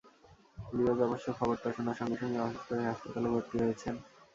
Leo's অবশ্য খবরটা শোনার সঙ্গে সঙ্গেই অসুস্থ হয়ে হাসপাতালে ভর্তি হয়েছেন।